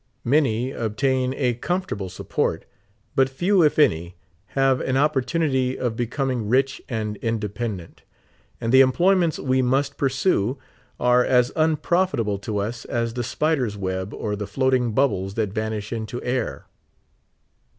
Many obtain a comfortable support ; but few, if any, have an opportunit} of be coming rich and independent ; and the employments we must pursue are as unprofitable to us as the spiders web or the floating bubbles that vanish into air.